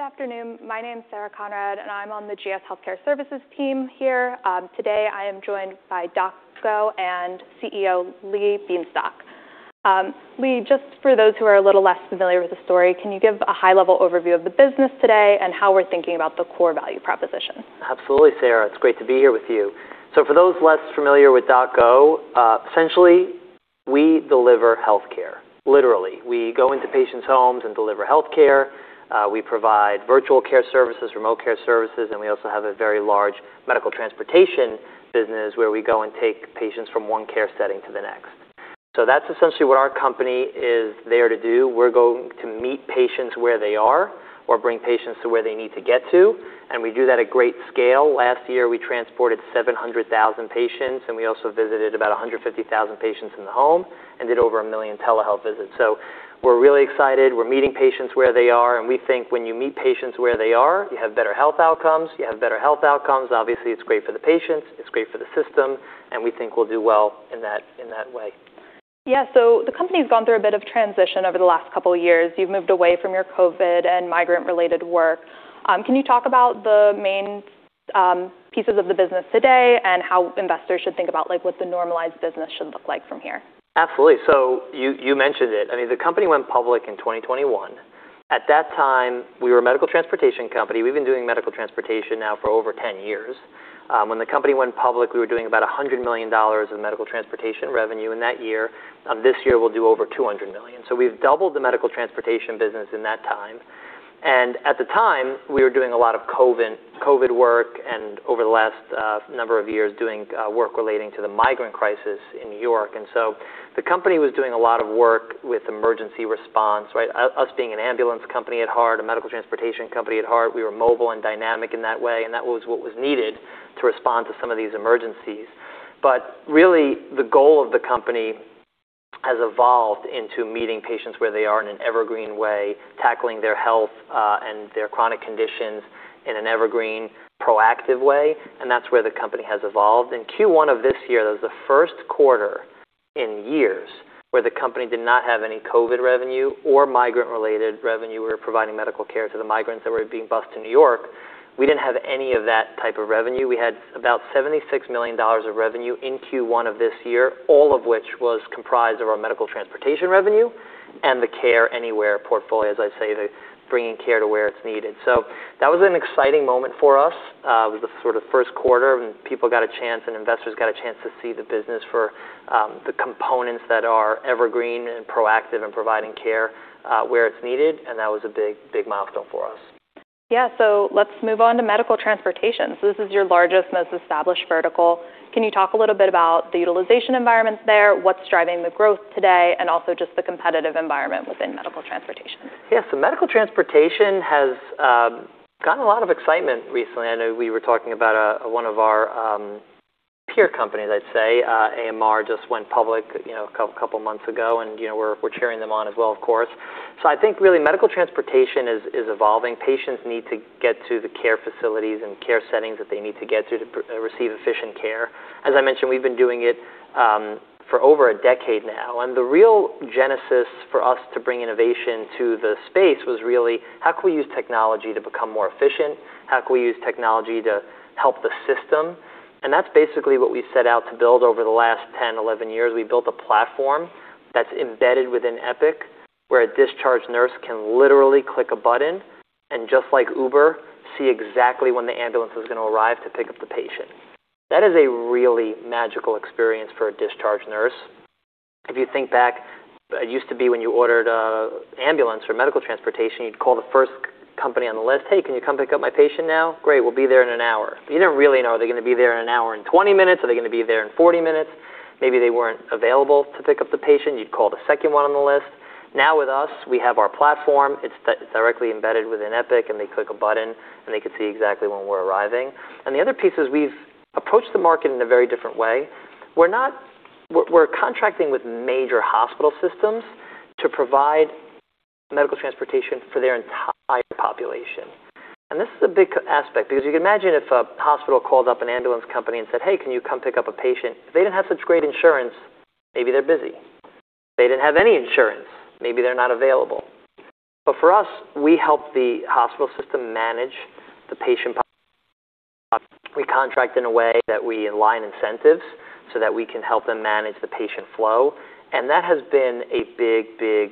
Good afternoon. My name's Sarah Conrad, and I'm on the GS Healthcare Services team here. Today, I am joined by DocGo and CEO Lee Bienstock. Lee, just for those who are a little less familiar with the story, can you give a high-level overview of the business today and how we're thinking about the core value proposition? Absolutely, Sarah. It's great to be here with you. For those less familiar with DocGo, essentially, we deliver healthcare, literally. We go into patients' homes and deliver healthcare. We provide virtual care services, remote care services, and we also have a very large Medical Transportation business where we go and take patients from one care setting to the next. That's essentially what our company is there to do. We're going to meet patients where they are or bring patients to where they need to get to, and we do that at great scale. Last year, we transported 700,000 patients, and we also visited about 150,000 patients in the home and did over 1 million telehealth visits. We're really excited. We're meeting patients where they are, and we think when you meet patients where they are, you have better health outcomes. You have better health outcomes, obviously it's great for the patients, it's great for the system, and we think we'll do well in that way. Yeah. The company's gone through a bit of transition over the last couple of years. You've moved away from your COVID and migrant-related work. Can you talk about the main pieces of the business today and how investors should think about what the normalized business should look like from here? Absolutely. You mentioned it. The company went public in 2021. At that time, we were a medical transportation company. We've been doing medical transportation now for over 10 years. When the company went public, we were doing about $100 million of medical transportation revenue in that year. This year, we'll do over $200 million. We've doubled the medical transportation business in that time. At the time, we were doing a lot of COVID work and over the last number of years, doing work relating to the migrant crisis in New York. The company was doing a lot of work with emergency response, right? Us being an ambulance company at heart, a medical transportation company at heart, we were mobile and dynamic in that way, and that was what was needed to respond to some of these emergencies. Really, the goal of the company has evolved into meeting patients where they are in an evergreen way, tackling their health and their chronic conditions in an evergreen, proactive way, and that's where the company has evolved. In Q1 of this year, that was the first quarter in years where the company did not have any COVID revenue or migrant-related revenue. We were providing medical care to the migrants that were being bused to New York. We didn't have any of that type of revenue. We had about $76 million of revenue in Q1 of this year, all of which was comprised of our medical transportation revenue and the Care Anywhere portfolio, as I say, the bringing care to where it's needed. That was an exciting moment for us. It was the first quarter, and people got a chance, and investors got a chance to see the business for the components that are evergreen and proactive in providing care where it's needed, and that was a big milestone for us. Yeah. Let's move on to medical transportation. This is your largest, most established vertical. Can you talk a little bit about the utilization environments there, what's driving the growth today, and also just the competitive environment within medical transportation? Yeah. Medical transportation has gotten a lot of excitement recently. I know we were talking about one of our peer companies, I'd say. AMR just went public a couple of months ago, and we're cheering them on as well, of course. I think really medical transportation is evolving. Patients need to get to the care facilities and care settings that they need to get to receive efficient care. As I mentioned, we've been doing it for over a decade now, and the real genesis for us to bring innovation to the space was really, how can we use technology to become more efficient? How can we use technology to help the system? That's basically what we set out to build over the last 10-11 years. We built a platform that's embedded within Epic, where a discharge nurse can literally click a button, and just like Uber, see exactly when the ambulance is going to arrive to pick up the patient. That is a really magical experience for a discharge nurse. If you think back, it used to be when you ordered an ambulance or medical transportation, you'd call the first company on the list. "Hey, can you come pick up my patient now?" "Great. We'll be there in an hour." You don't really know. Are they going to be there in an hour and 20 minutes? Are they going to be there in 40 minutes? Maybe they weren't available to pick up the patient. You'd call the second one on the list. Now with us, we have our platform. It's directly embedded within Epic, they click a button, and they can see exactly when we're arriving. The other piece is we've approached the market in a very different way. We're contracting with major hospital systems to provide medical transportation for their entire population. This is a big aspect because you can imagine if a hospital called up an ambulance company and said, "Hey, can you come pick up a patient?" If they didn't have such great insurance, maybe they're busy. If they didn't have any insurance, maybe they're not available. For us, we help the hospital system manage the patient. We contract in a way that we align incentives so that we can help them manage the patient flow, and that has been a big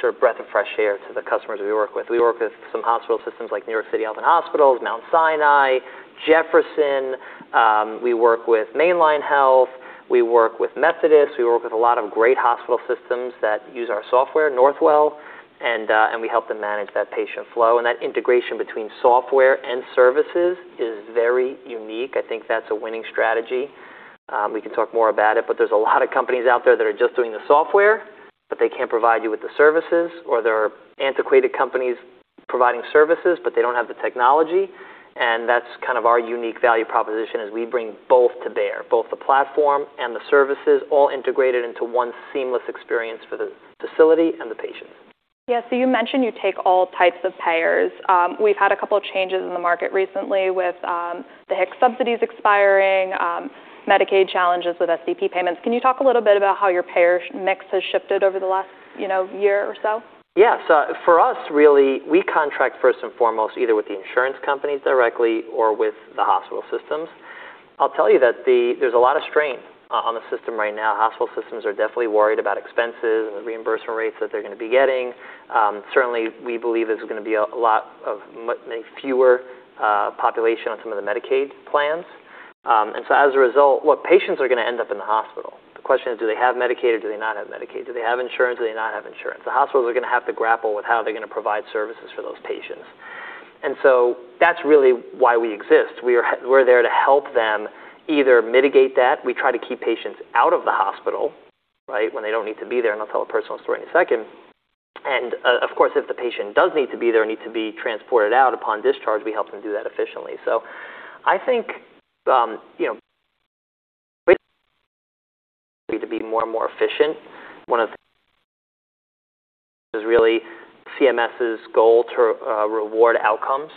sort of breath of fresh air to the customers we work with. We work with some hospital systems like NYC Health + Hospitals, Mount Sinai, Jefferson Health. We work with Main Line Health. We work with Methodist. We work with a lot of great hospital systems that use our software, Northwell, and we help them manage that patient flow. That integration between software and services is very unique. I think that's a winning strategy. We can talk more about it, there's a lot of companies out there that are just doing the software, but they can't provide you with the services, or there are antiquated companies providing services, but they don't have the technology, and that's kind of our unique value proposition is we bring both to bear, both the platform and the services, all integrated into one seamless experience for the facility and the patient. You mentioned you take all types of payers. We've had a couple changes in the market recently with the ACA subsidies expiring, Medicaid challenges with DSH payments. Can you talk a little bit about how your payer mix has shifted over the last year or so? For us, really, we contract first and foremost either with the insurance companies directly or with the hospital systems. I'll tell you that there's a lot of strain on the system right now. Hospital systems are definitely worried about expenses and the reimbursement rates that they're going to be getting. Certainly, we believe there's going to be a lot of fewer population on some of the Medicaid plans. As a result, well, patients are going to end up in the hospital. The question is, do they have Medicaid or do they not have Medicaid? Do they have insurance, or do they not have insurance? The hospitals are going to have to grapple with how they're going to provide services for those patients. That's really why we exist. We're there to help them either mitigate that. We try to keep patients out of the hospital when they don't need to be there, and I'll tell a personal story in a second. Of course, if the patient does need to be there or needs to be transported out upon discharge, we help them do that efficiently. I think, to be more and more efficient. One of is really CMS's goal to reward outcomes,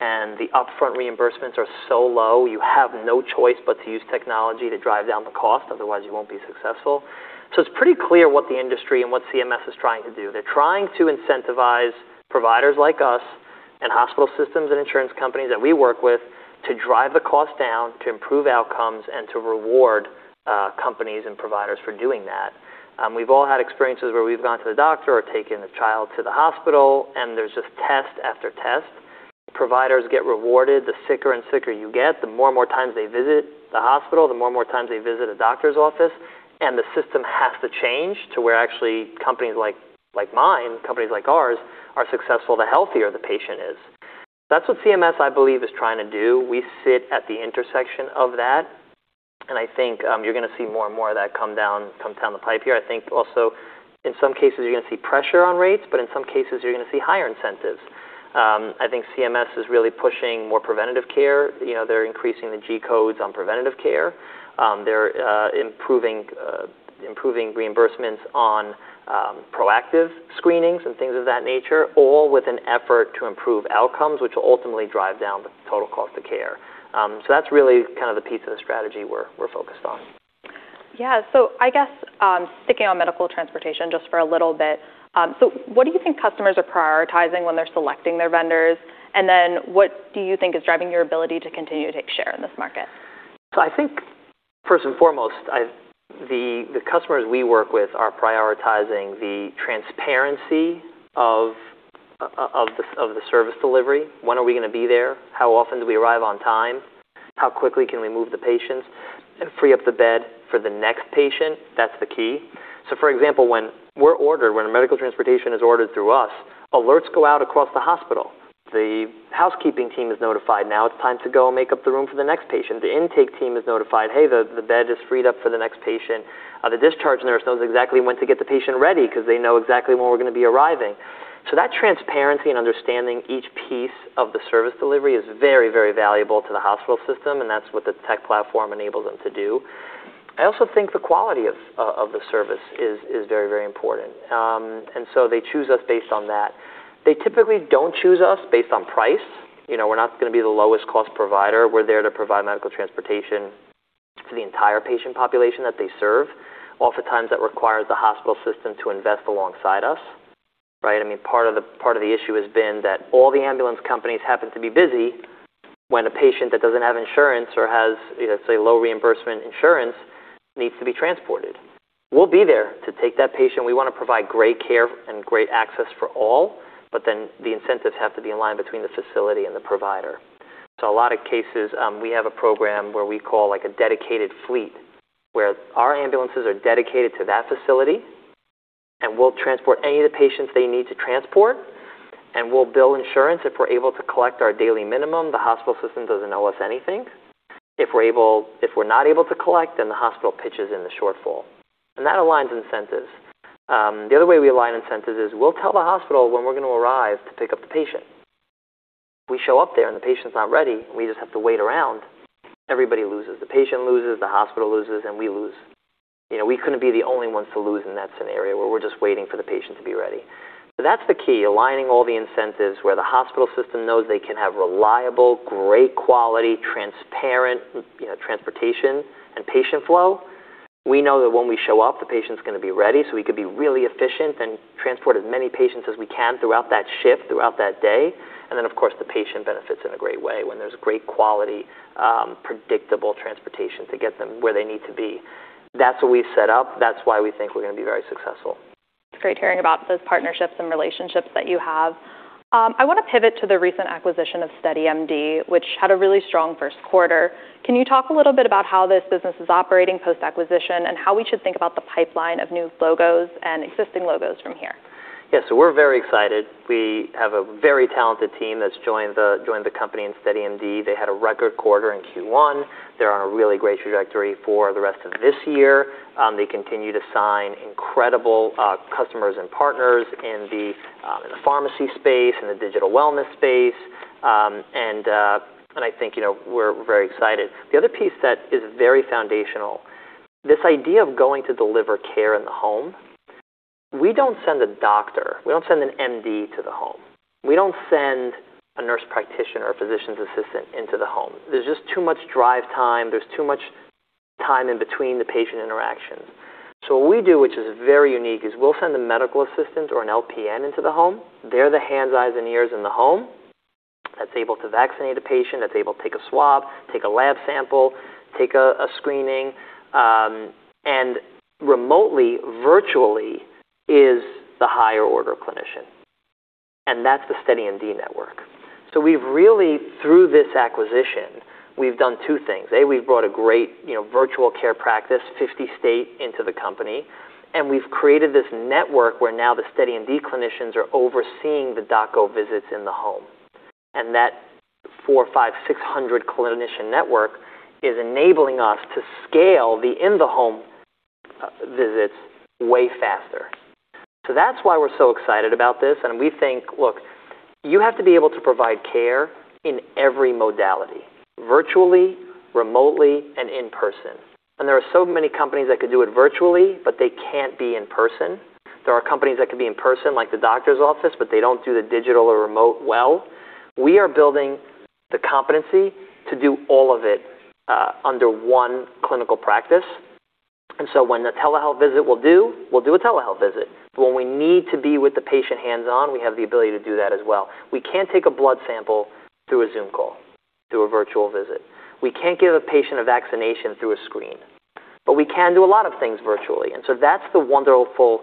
and the upfront reimbursements are so low, you have no choice but to use technology to drive down the cost. Otherwise, you won't be successful. It's pretty clear what the industry and what CMS is trying to do. They're trying to incentivize providers like us and hospital systems and insurance companies that we work with to drive the cost down, to improve outcomes, and to reward companies and providers for doing that. We've all had experiences where we've gone to the doctor or taken a child to the hospital, and there's just test after test. Providers get rewarded the sicker and sicker you get, the more and more times they visit the hospital, the more and more times they visit a doctor's office. The system has to change to where actually companies like mine, companies like ours, are successful, the healthier the patient is. That's what CMS, I believe, is trying to do. We sit at the intersection of that, and I think you're going to see more and more of that come down the pipe here. I think also, in some cases, you're going to see pressure on rates, but in some cases, you're going to see higher incentives. I think CMS is really pushing more preventative care. They're increasing the G codes on preventative care. They're improving reimbursements on proactive screenings and things of that nature, all with an effort to improve outcomes, which will ultimately drive down the total cost of care. That's really the piece of the strategy we're focused on. Yeah. I guess, sticking on Medical Transportation just for a little bit. What do you think customers are prioritizing when they're selecting their vendors? What do you think is driving your ability to continue to take share in this market? I think first and foremost, the customers we work with are prioritizing the transparency of the service delivery. When are we going to be there? How often do we arrive on time? How quickly can we move the patients and free up the bed for the next patient? That's the key. For example, when we're ordered, when a Medical Transportation is ordered through us, alerts go out across the hospital. The housekeeping team is notified. Now it's time to go and make up the room for the next patient. The intake team is notified, "Hey, the bed is freed up for the next patient." The discharge nurse knows exactly when to get the patient ready because they know exactly when we're going to be arriving. That transparency and understanding each piece of the service delivery is very, very valuable to the hospital system, and that's what the tech platform enables them to do. I also think the quality of the service is very, very important. They choose us based on that. They typically don't choose us based on price. We're not going to be the lowest cost provider. We're there to provide Medical Transportation to the entire patient population that they serve. Oftentimes, that requires the hospital system to invest alongside us. Part of the issue has been that all the ambulance companies happen to be busy when a patient that doesn't have insurance or has, say, low reimbursement insurance needs to be transported. We'll be there to take that patient. We want to provide great care and great access for all, the incentives have to be in line between the facility and the provider. In a lot of cases, we have a program where we call a dedicated fleet, where our ambulances are dedicated to that facility, and we'll transport any of the patients they need to transport, and we'll bill insurance. If we're able to collect our daily minimum, the hospital system doesn't owe us anything. If we're not able to collect, the hospital pitches in the shortfall. That aligns incentives. The other way we align incentives is we'll tell the hospital when we're going to arrive to pick up the patient. We show up there and the patient's not ready, and we just have to wait around. Everybody loses. The patient loses, the hospital loses, and we lose. We couldn't be the only ones to lose in that scenario where we're just waiting for the patient to be ready. That's the key, aligning all the incentives where the hospital system knows they can have reliable, great quality, transparent transportation and patient flow. We know that when we show up, the patient's going to be ready, so we could be really efficient and transport as many patients as we can throughout that shift, throughout that day. Of course, the patient benefits in a great way when there's great quality, predictable transportation to get them where they need to be. That's what we've set up. That's why we think we're going to be very successful. It's great hearing about those partnerships and relationships that you have. I want to pivot to the recent acquisition of SteadyMD, which had a really strong first quarter. Can you talk a little bit about how this business is operating post-acquisition, and how we should think about the pipeline of new logos and existing logos from here? Yes. We're very excited. We have a very talented team that's joined the company in SteadyMD. They had a record quarter in Q1. They're on a really great trajectory for the rest of this year. They continue to sign incredible customers and partners in the pharmacy space, in the digital wellness space, and I think we're very excited. The other piece that is very foundational, this idea of going to deliver care in the home. We don't send a doctor, we don't send an MD to the home. We don't send a nurse practitioner or physician's assistant into the home. There's just too much drive time. There's too much Time in between the patient interactions. What we do, which is very unique, is we'll send a medical assistant or an LPN into the home. They're the hands, eyes, and ears in the home that's able to vaccinate a patient, that's able to take a swab, take a lab sample, take a screening, and remotely, virtually, is the higher order clinician, and that's the SteadyMD network. We've really, through this acquisition, we've done two things. A. We've brought a great 50-state virtual care practice into the company, and we've created this network where now the SteadyMD clinicians are overseeing the DocGo visits in the home. That 400, 5, 600 clinician network is enabling us to scale the in-the-home visits way faster. That's why we're so excited about this, and we think, look, you have to be able to provide care in every modality, virtually, remotely, and in person. There are so many companies that could do it virtually, but they can't be in person. There are companies that could be in person, like the doctor's office, but they don't do the digital or remote well. We are building the competency to do all of it under one clinical practice. When the telehealth visit will do, we'll do a telehealth visit. When we need to be with the patient hands-on, we have the ability to do that as well. We can't take a blood sample through a Zoom call, through a virtual visit. We can't give a patient a vaccination through a screen. We can do a lot of things virtually, and that's the wonderful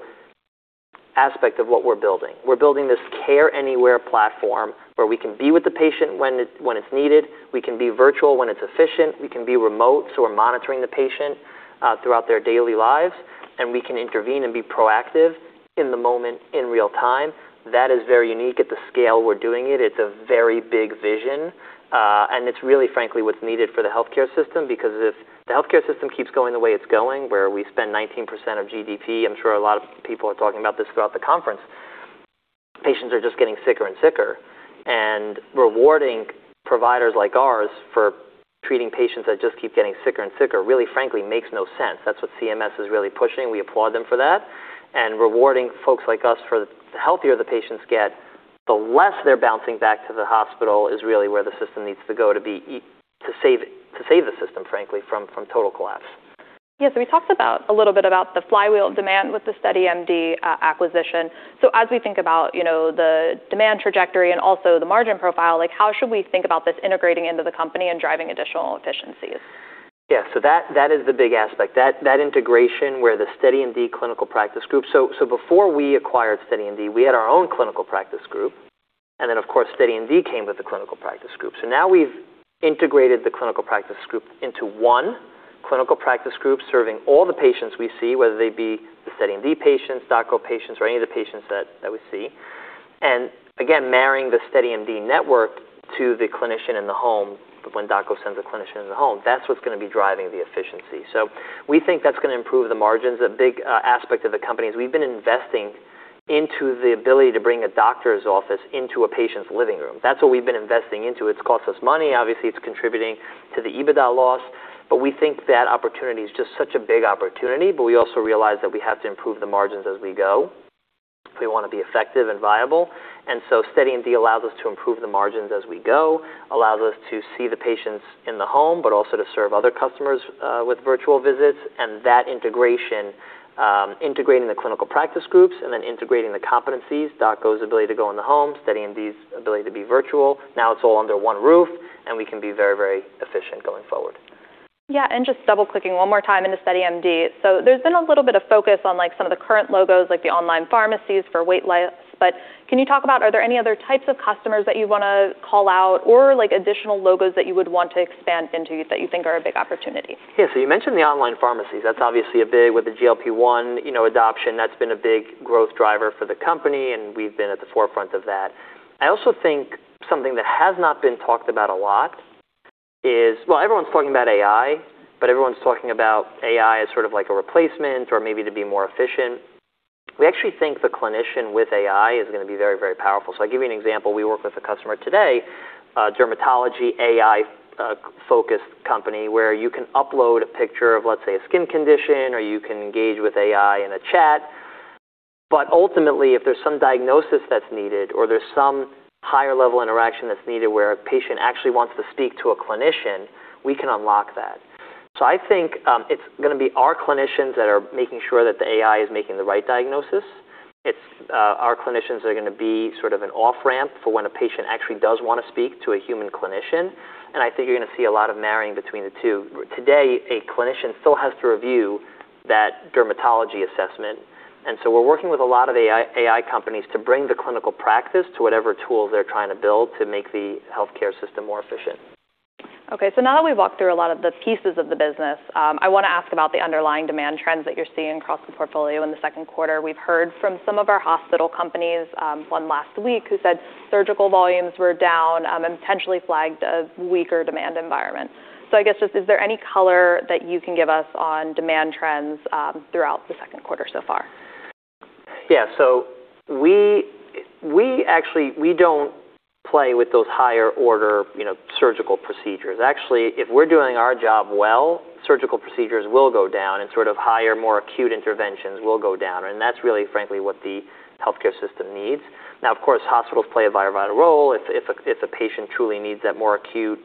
aspect of what we're building. We're building this Care Anywhere platform where we can be with the patient when it's needed. We can be virtual when it's efficient. We can be remote, so we're monitoring the patient throughout their daily lives, and we can intervene and be proactive in the moment in real time. That is very unique at the scale we're doing it. It's a very big vision. It's really, frankly, what's needed for the healthcare system because if the healthcare system keeps going the way it's going, where we spend 19% of GDP, I'm sure a lot of people are talking about this throughout the conference, patients are just getting sicker and sicker. Rewarding providers like ours for treating patients that just keep getting sicker and sicker, really frankly makes no sense. That's what CMS is really pushing. We applaud them for that. Rewarding folks like us for the healthier the patients get, the less they're bouncing back to the hospital is really where the system needs to go to save the system, frankly, from total collapse. Yeah. We talked a little bit about the flywheel of demand with the SteadyMD acquisition. As we think about the demand trajectory and also the margin profile, how should we think about this integrating into the company and driving additional efficiencies? Yeah. That is the big aspect. That integration where the SteadyMD clinical practice group. Before we acquired SteadyMD, we had our own clinical practice group, and then, of course, SteadyMD came with a clinical practice group. Now we've integrated the clinical practice group into one clinical practice group serving all the patients we see, whether they be the SteadyMD patients, DocGo patients, or any of the patients that we see. Again, marrying the SteadyMD network to the clinician in the home, when DocGo sends a clinician in the home, that's what's going to be driving the efficiency. We think that's going to improve the margins. A big aspect of the company is we've been investing into the ability to bring a doctor's office into a patient's living room. That's what we've been investing into. It's cost us money. Obviously, it's contributing to the EBITDA loss. We think that opportunity is just such a big opportunity. We also realize that we have to improve the margins as we go if we want to be effective and viable. SteadyMD allows us to improve the margins as we go, allows us to see the patients in the home, but also to serve other customers with virtual visits and that integration, integrating the clinical practice groups and integrating the competencies, DocGo's ability to go in the home, SteadyMD's ability to be virtual. Now it's all under one roof, and we can be very efficient going forward. Yeah, just double-clicking one more time into SteadyMD. There's been a little bit of focus on some of the current logos, like the online pharmacies for weight loss. Can you talk about, are there any other types of customers that you want to call out or additional logos that you would want to expand into that you think are a big opportunity? Yeah. You mentioned the online pharmacies. That's obviously a big, with the GLP-1 adoption, that's been a big growth driver for the company, and we've been at the forefront of that. I also think something that has not been talked about a lot is. Everyone's talking about AI, but everyone's talking about AI as sort of like a replacement or maybe to be more efficient. We actually think the clinician with AI is going to be very powerful. I'll give you an example. We work with a customer today, a dermatology AI-focused company, where you can upload a picture of, let's say, a skin condition, or you can engage with AI in a chat. Ultimately, if there's some diagnosis that's needed or there's some higher-level interaction that's needed where a patient actually wants to speak to a clinician, we can unlock that. I think, it's going to be our clinicians that are making sure that the AI is making the right diagnosis. It's our clinicians that are going to be sort of an off-ramp for when a patient actually does want to speak to a human clinician, I think you're going to see a lot of marrying between the two. Today, a clinician still has to review that dermatology assessment, we're working with a lot of AI companies to bring the clinical practice to whatever tools they're trying to build to make the healthcare system more efficient. Okay. Now that we've walked through a lot of the pieces of the business, I want to ask about the underlying demand trends that you're seeing across the portfolio in the second quarter. We've heard from some of our hospital companies, one last week, who said surgical volumes were down, potentially flagged a weaker demand environment. I guess just is there any color that you can give us on demand trends, throughout the second quarter so far? Yeah. Actually, we don't play with those higher order surgical procedures. Actually, if we're doing our job well, surgical procedures will go down, higher, more acute interventions will go down, that's really, frankly, what the healthcare system needs. Of course, hospitals play a vital role. If a patient truly needs that more acute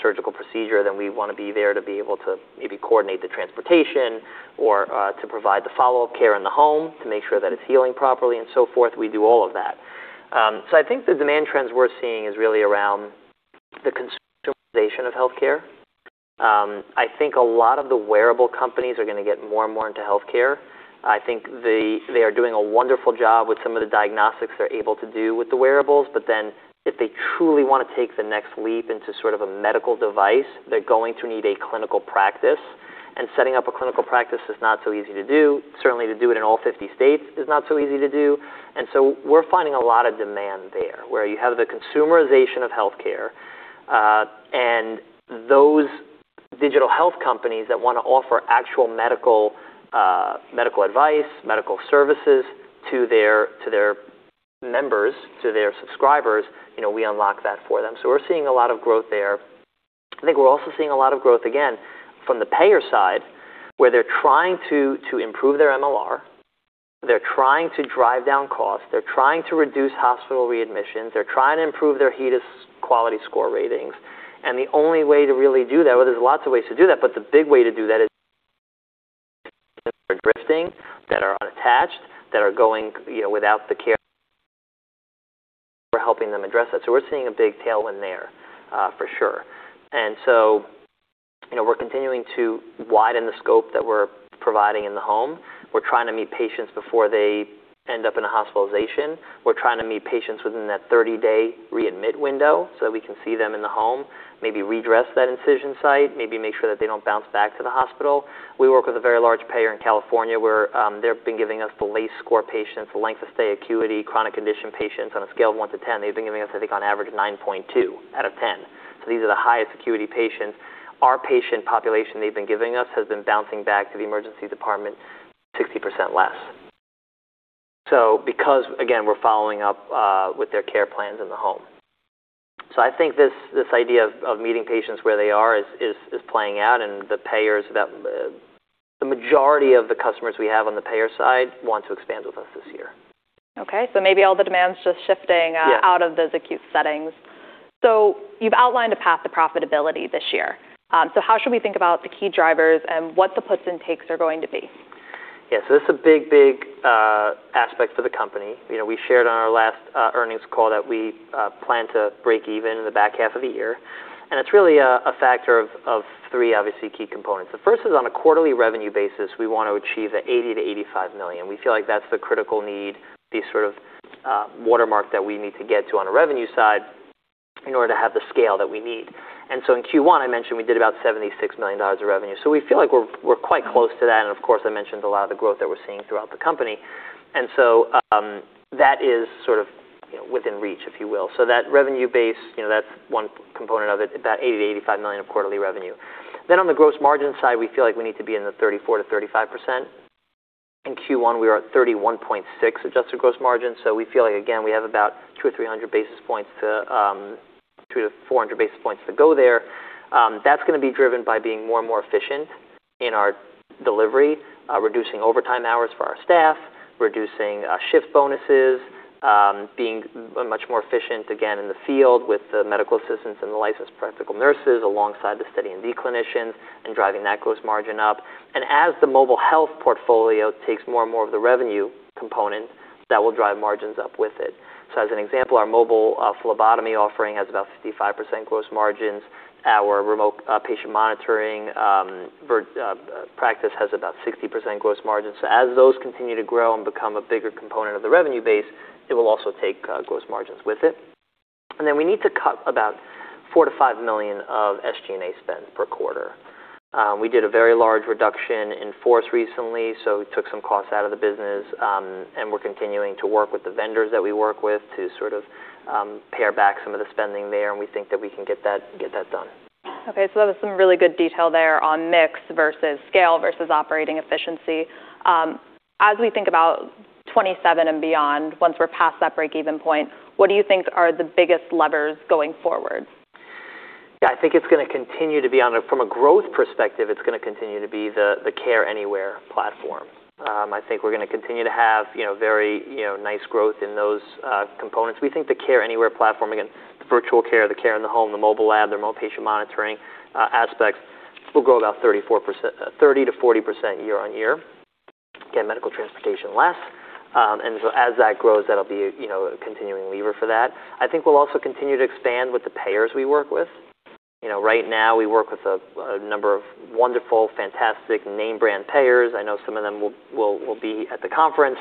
surgical procedure, we want to be there to be able to maybe coordinate the transportation or to provide the follow-up care in the home to make sure that it's healing properly and so forth. We do all of that. I think the demand trends we're seeing is really around the consumerization of healthcare. I think a lot of the wearable companies are going to get more and more into healthcare. They are doing a wonderful job with some of the diagnostics they're able to do with the wearables, if they truly want to take the next leap into a medical device, they're going to need a clinical practice. Setting up a clinical practice is not so easy to do. Certainly to do it in all 50 states is not so easy to do. We're finding a lot of demand there, where you have the consumerization of healthcare, those digital health companies that want to offer actual medical advice, medical services to their members, to their subscribers, we unlock that for them. We're seeing a lot of growth there. I think we're also seeing a lot of growth, again, from the payer side, where they're trying to improve their MLR. They're trying to drive down costs. They're trying to reduce hospital readmissions. They're trying to improve their HEDIS quality score ratings. The only way to really do that, there's lots of ways to do that, the big way to do that is that are drifting, that are unattached, that are going without the care we're helping them address that. We're seeing a big tailwind there for sure. We're continuing to widen the scope that we're providing in the home. We're trying to meet patients before they end up in a hospitalization. We're trying to meet patients within that 30-day readmit window so that we can see them in the home, maybe re-dress that incision site, maybe make sure that they don't bounce back to the hospital. We work with a very large payer in California where they've been giving us the LACE score patients, the Length of Stay Acuity, chronic condition patients on a scale of one to 10. They've been giving us, I think, on average, 9.2 out of 10. These are the highest acuity patients. Our patient population they've been giving us has been bouncing back to the emergency department 60% less. Because, again, we're following up with their care plans in the home. I think this idea of meeting patients where they are is playing out and the payers that the majority of the customers we have on the payer side want to expand with us this year. Okay. Maybe all the demand's just shifting- Yeah out of those acute settings. You've outlined a path to profitability this year. How should we think about the key drivers and what the puts and takes are going to be? This is a big aspect for the company. We shared on our last earnings call that we plan to break even in the back half of the year, and it's really a factor of three, obviously, key components. The first is on a quarterly revenue basis, we want to achieve the $80 million-$85 million. We feel like that's the critical need, the sort of watermark that we need to get to on a revenue side in order to have the scale that we need. In Q1, I mentioned we did about $76 million of revenue. We feel like we're quite close to that, and of course, I mentioned a lot of the growth that we're seeing throughout the company. That is sort of within reach, if you will. That revenue base, that's one component of it, about $80 million-$85 million of quarterly revenue. On the gross margin side, we feel like we need to be in the 34%-35%. In Q1, we were at 31.6 adjusted gross margin. We feel like, again, we have about 200 basis points-400 basis points to go there. That's going to be driven by being more and more efficient in our delivery, reducing overtime hours for our staff, reducing shift bonuses, being much more efficient, again, in the field with the medical assistants and the licensed practical nurses alongside the SteadyMD clinicians and driving that gross margin up. As the Mobile Health portfolio takes more and more of the revenue component, that will drive margins up with it. As an example, our Mobile Phlebotomy offering has about 55% gross margins. Our Remote Patient Monitoring practice has about 60% gross margins. As those continue to grow and become a bigger component of the revenue base, it will also take gross margins with it. We need to cut about $4 million-$5 million of SG&A spend per quarter. We did a very large reduction in force recently, we took some costs out of the business, and we're continuing to work with the vendors that we work with to sort of pare back some of the spending there, and we think that we can get that done. Okay, that was some really good detail there on mix versus scale versus operating efficiency. As we think about 2027 and beyond, once we're past that break-even point, what do you think are the biggest levers going forward? Yeah, I think it's going to continue to be, from a growth perspective, it's going to continue to be the Care Anywhere platform. I think we're going to continue to have very nice growth in those components. We think the Care Anywhere platform, again, the virtual care, the care in the home, the Mobile Phlebotomy, the Remote Patient Monitoring aspects will grow about 30%-40% year-on-year. Medical Transportation less. As that grows, that'll be a continuing lever for that. I think we'll also continue to expand with the payers we work with. Right now, we work with a number of wonderful, fantastic name brand payers. I know some of them will be at the conference.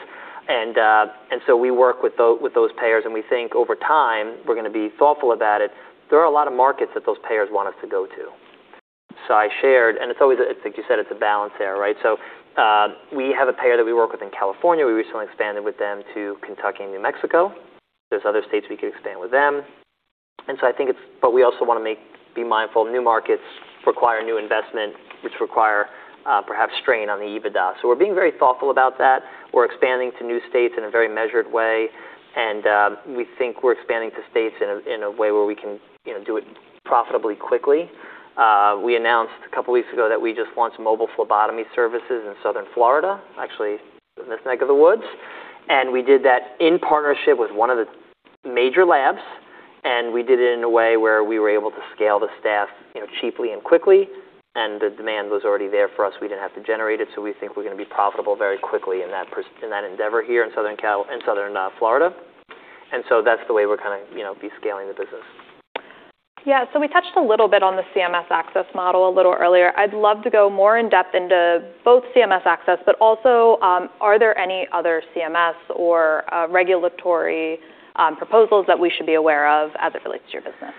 We work with those payers, and we think over time, we're going to be thoughtful about it. There are a lot of markets that those payers want us to go to. I shared, and it's always, like you said, it's a balance there, right? We have a payer that we work with in California. We recently expanded with them to Kentucky and New Mexico. There's other states we could expand with them. I think it's, but we also want to be mindful. New markets require new investment, which require perhaps strain on the EBITDA. We're being very thoughtful about that. We're expanding to new states in a very measured way, and we think we're expanding to states in a way where we can do it profitably quickly. We announced a couple of weeks ago that we just launched Mobile Phlebotomy services in Southern Florida, actually, in this neck of the woods. We did that in partnership with one of the major labs, and we did it in a way where we were able to scale the staff cheaply and quickly, and the demand was already there for us. We didn't have to generate it, we think we're going to be profitable very quickly in that endeavor here in Southern Florida. That's the way we're going to be scaling the business. Yeah. We touched a little bit on the CMS Access Model a little earlier. I'd love to go more in-depth into both CMS Access, also, are there any other CMS or regulatory proposals that we should be aware of as it relates to your business?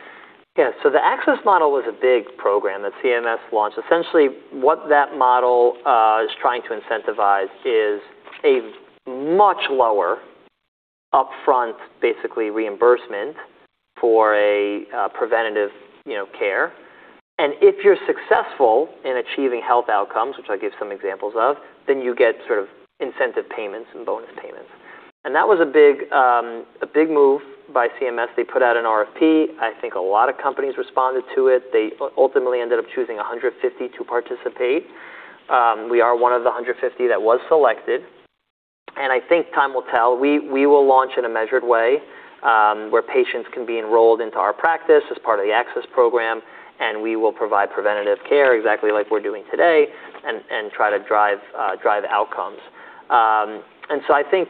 Yeah. The Access Model was a big program that CMS launched. Essentially, what that model is trying to incentivize is a much lower upfront, basically reimbursement for a preventative care. If you're successful in achieving health outcomes, which I'll give some examples of, then you get sort of incentive payments and bonus payments. That was a big move by CMS. They put out an RFP. I think a lot of companies responded to it. They ultimately ended up choosing 150 to participate. We are one of the 150 that was selected, and I think time will tell. We will launch in a measured way, where patients can be enrolled into our practice as part of the Access Program, and we will provide preventative care exactly like we're doing today and try to drive outcomes. I think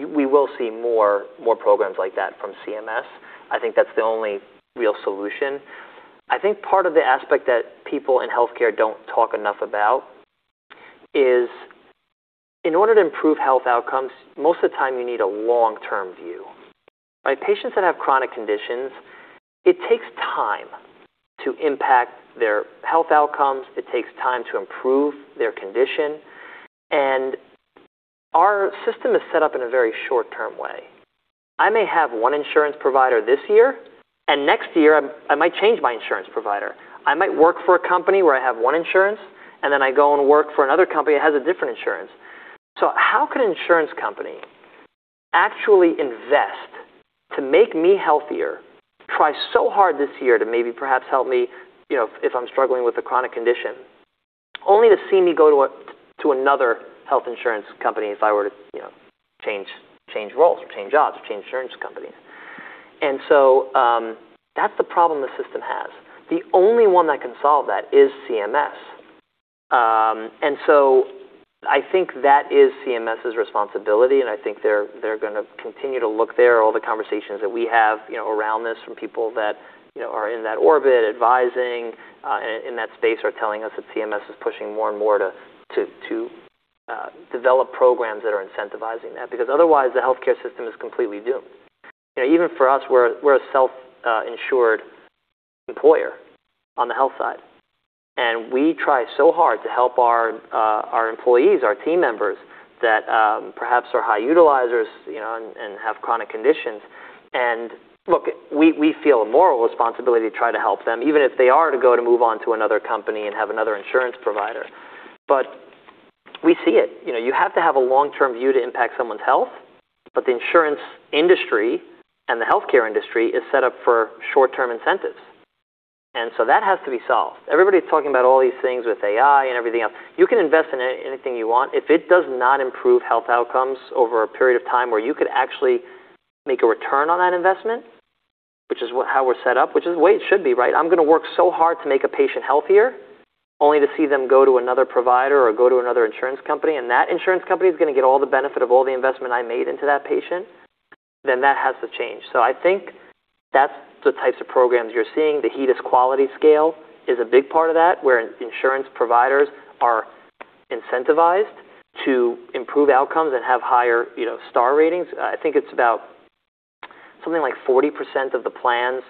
we will see more programs like that from CMS. I think that's the only real solution. I think part of the aspect that people in healthcare don't talk enough about is in order to improve health outcomes, most of the time, you need a long-term view. By patients that have chronic conditions, it takes time to impact their health outcomes. It takes time to improve their condition. Our system is set up in a very short-term way. I may have one insurance provider this year, and next year, I might change my insurance provider. I might work for a company where I have one insurance, and then I go and work for another company that has a different insurance. How can an insurance company actually invest to make me healthier, try so hard this year to maybe perhaps help me, if I'm struggling with a chronic condition, only to see me go to another health insurance company if I were to change roles or change jobs or change insurance companies. That's the problem the system has. The only one that can solve that is CMS. I think that is CMS's responsibility, and I think they're going to continue to look there. All the conversations that we have around this from people that are in that orbit, advising in that space, are telling us that CMS is pushing more and more to develop programs that are incentivizing that, because otherwise the healthcare system is completely doomed. Even for us, we're a self-insured employer on the health side, we try so hard to help our employees, our team members that perhaps are high utilizers and have chronic conditions. Look, we feel a moral responsibility to try to help them, even if they are to go to move on to another company and have another insurance provider. We see it. You have to have a long-term view to impact someone's health, but the insurance industry and the healthcare industry is set up for short-term incentives. That has to be solved. Everybody's talking about all these things with AI and everything else. You can invest in anything you want. If it does not improve health outcomes over a period of time where you could actually make a return on that investment, which is how we're set up, which is the way it should be, right? I'm going to work so hard to make a patient healthier, only to see them go to another provider or go to another insurance company, and that insurance company is going to get all the benefit of all the investment I made into that patient, then that has to change. I think that's the types of programs you're seeing. The HEDIS quality scale is a big part of that, where insurance providers are incentivized to improve outcomes and have higher star ratings. I think it's about something like 40% of the plans,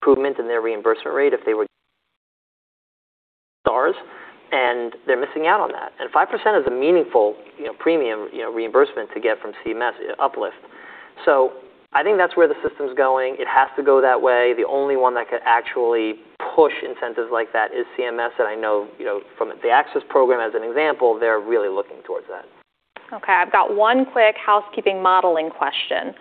improvement in their reimbursement rate if they were stars, and they're missing out on that. 5% is a meaningful premium reimbursement to get from CMS uplift. I think that's where the system's going. It has to go that way. The only one that could actually push incentives like that is CMS, and I know from the Access program, as an example, they're really looking towards that. Okay. I've got one quick housekeeping modeling question.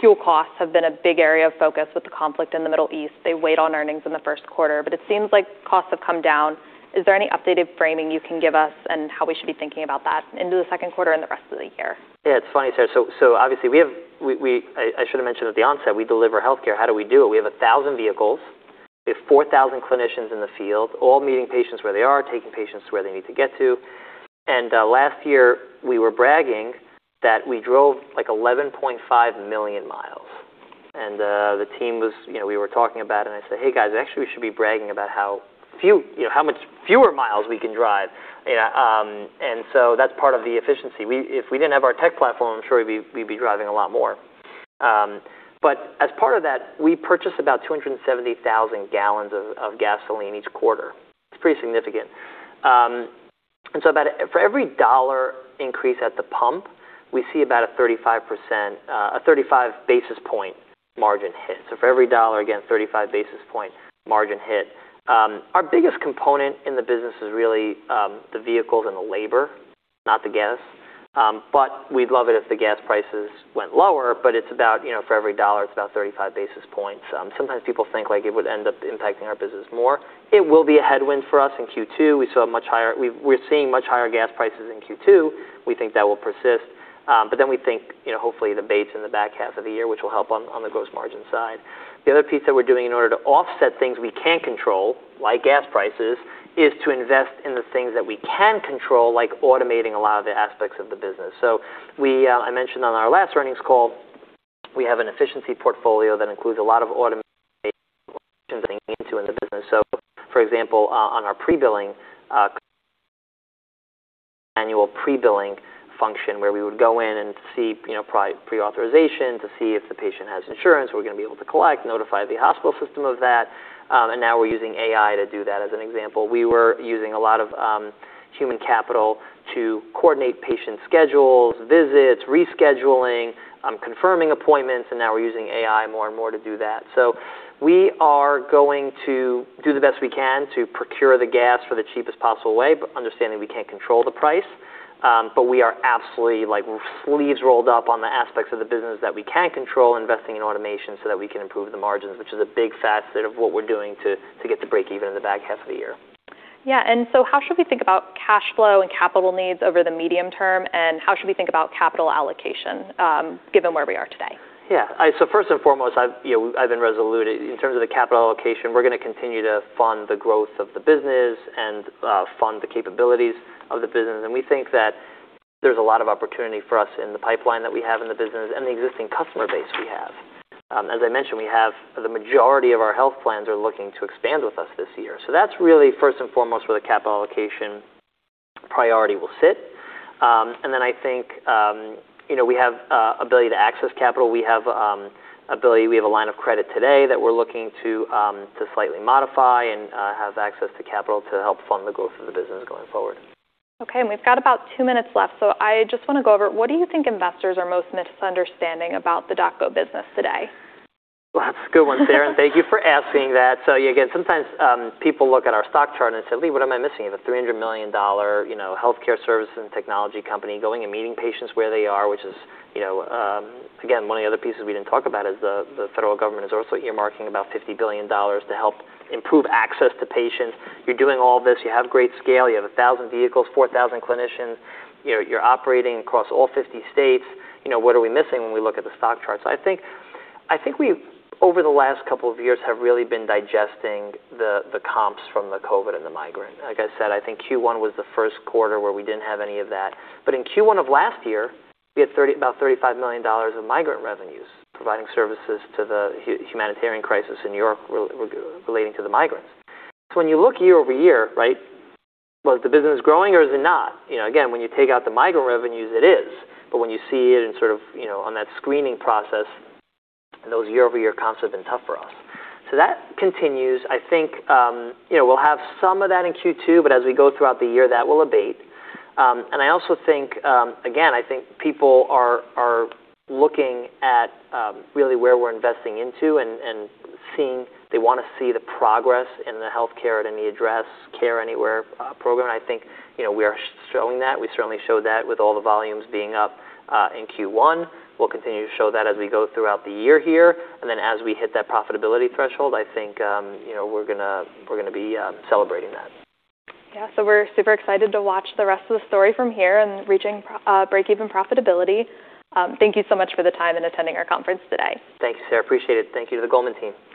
Fuel costs have been a big area of focus with the conflict in the Middle East. They weighed on earnings in the first quarter, but it seems like costs have come down. Is there any updated framing you can give us on how we should be thinking about that into the second quarter and the rest of the year? Yeah, it's funny, Sarah. Obviously I should have mentioned at the onset, we deliver healthcare. How do we do it? We have 1,000 vehicles. We have 4,000 clinicians in the field, all meeting patients where they are, taking patients to where they need to get to. Last year, we were bragging that we drove 11.5 million miles. The team, we were talking about it, and I said, "Hey, guys, actually, we should be bragging about how much fewer miles we can drive." That's part of the efficiency. If we didn't have our tech platform, I'm sure we'd be driving a lot more. As part of that, we purchase about 270,000 gallons of gasoline each quarter. It's pretty significant. For every dollar increase at the pump, we see about a 35 basis point margin hit. For every dollar, again, 35 basis point margin hit. Our biggest component in the business is really the vehicles and the labor, not the gas. We'd love it if the gas prices went lower, but it's about, for every dollar, it's about 35 basis points. Sometimes people think it would end up impacting our business more. It will be a headwind for us in Q2. We're seeing much higher gas prices in Q2. We think that will persist. We think, hopefully, it abates in the back half of the year, which will help on the gross margin side. The other piece that we're doing in order to offset things we can't control, like gas prices, is to invest in the things that we can control, like automating a lot of the aspects of the business. I mentioned on our last earnings call, we have an efficiency portfolio that includes a lot of automation in the business. For example, on our pre-billing, annual pre-billing function where we would go in and see pre-authorization to see if the patient has insurance, are we going to be able to collect, notify the hospital system of that, and now we're using AI to do that, as an example. We were using a lot of human capital to coordinate patient schedules, visits, rescheduling, confirming appointments, and now we're using AI more and more to do that. We are going to do the best we can to procure the gas for the cheapest possible way, but understanding we can't control the price. We are absolutely, sleeves rolled up on the aspects of the business that we can control, investing in automation so that we can improve the margins, which is a big facet of what we're doing to get to break even in the back half of the year. Yeah. How should we think about cash flow and capital needs over the medium term, and how should we think about capital allocation, given where we are today? Yeah. First and foremost, I've been resolute. In terms of the capital allocation, we're going to continue to fund the growth of the business and fund the capabilities of the business. We think that there's a lot of opportunity for us in the pipeline that we have in the business and the existing customer base we have. As I mentioned, the majority of our health plans are looking to expand with us this year. That's really first and foremost where the capital allocation priority will sit. I think, we have ability to access capital. We have a line of credit today that we're looking to slightly modify and have access to capital to help fund the growth of the business going forward. Okay, we've got about two minutes left, I just want to go over, what do you think investors are most misunderstanding about the DocGo business today? That's a good one, Sarah, thank you for asking that. Again, sometimes people look at our stock chart and say, "Lee, what am I missing? You have a $300 million healthcare service and technology company going and meeting patients where they are." Which is, again, one of the other pieces we didn't talk about is the federal government is also earmarking about $50 billion to help improve access to patients. You're doing all this. You have great scale. You have 1,000 vehicles, 4,000 clinicians. You're operating across all 50 states. What are we missing when we look at the stock chart? I think we, over the last couple of years, have really been digesting the comps from the COVID and the migrant. Like I said, I think Q1 was the first quarter where we didn't have any of that. In Q1 of last year, we had about $35 million of migrant revenues providing services to the humanitarian crisis in Europe relating to the migrants. When you look year-over-year, right, well, is the business growing or is it not? Again, when you take out the migrant revenues, it is. When you see it on that screening process, those year-over-year comps have been tough for us. That continues. I think we'll have some of that in Q2, but as we go throughout the year, that will abate. I also think, again, I think people are looking at really where we're investing into and they want to see the progress in the healthcare at any address, Care Anywhere program. I think we are showing that. We certainly showed that with all the volumes being up in Q1. We'll continue to show that as we go throughout the year here. Then as we hit that profitability threshold, I think we're going to be celebrating that. Yeah. We're super excited to watch the rest of the story from here and reaching breakeven profitability. Thank you so much for the time and attending our conference today. Thanks, Sarah. Appreciate it. Thank you to the Goldman team.